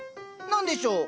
何でしょう？